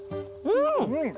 うん！